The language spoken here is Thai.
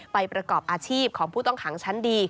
ประกอบอาชีพของผู้ต้องขังชั้นดี